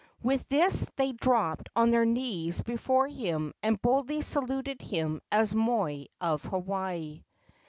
With this they dropped on their knees before him and boldly saluted him as moi of Hawaii.